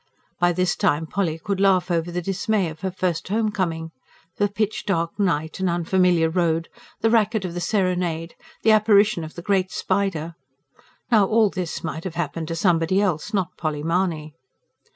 By this time Polly could laugh over the dismay of her first homecoming: the pitch dark night and unfamiliar road, the racket of the serenade, the apparition of the great spider: now, all this might have happened to somebody else, not Polly Mahony.